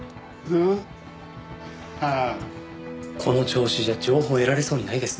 この調子じゃ情報得られそうにないですね。